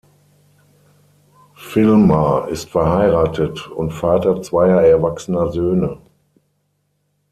Vilmar ist verheiratet und Vater zweier erwachsener Söhne.